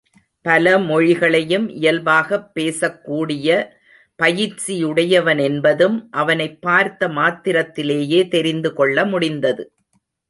பல மொழிகளையும் இயல்பாகப் பேசக்கூடிய பயிற்சியுடையவனென்பதும் அவனைப் பார்த்த மாத்திரத்திலேயே தெரிந்து கொள்ள முடிந்தது.